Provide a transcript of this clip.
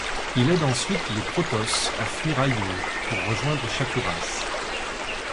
Il aide ensuite les Protoss à fuir Aiur pour rejoindre Shakuras.